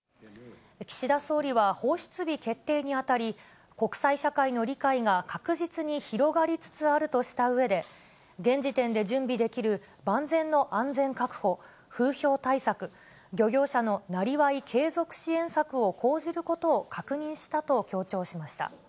岸田総理は、放出日決定にあたり、国際社会の理解が確実に広がりつつあるとしたうえで、現時点で準備できる万全の安全確保、風評対策、漁業者のなりわい継続支援策を講じることを確認したと強調しました。